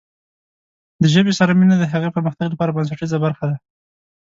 د ژبې سره مینه د هغې پرمختګ لپاره بنسټیزه برخه ده.